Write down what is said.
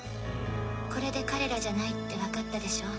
これで彼らじゃないって分かったでしょ？